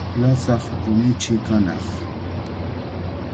Llasaq rumichi kanaq.